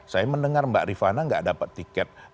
saya mendengar mbak rifana nggak dapat tiket